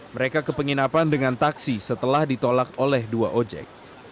mereka ke penginapan dengan taksi setelah ditolak oleh dua ojek